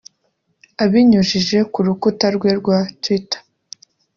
abinyujije ku rukuta rwe rwa Twitter